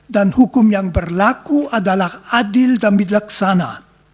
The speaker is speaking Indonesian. dan hukum yang berlaku adalah adil dan bijaksana